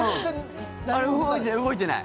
あれ動いてない。